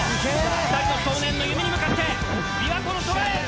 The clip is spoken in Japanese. ２人の少年の夢に向かって琵琶湖の空へ！